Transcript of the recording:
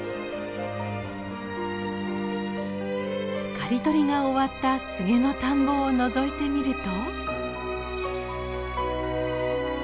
刈り取りが終わったスゲの田んぼをのぞいてみると。